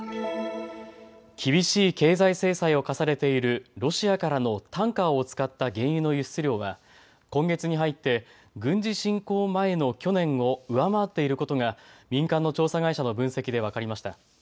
厳しい経済制裁を科されているロシアからのタンカーを使った原油の輸出量は今月に入って軍事侵攻前の去年を上回っていることが民間の調査会社の分析で分かりました。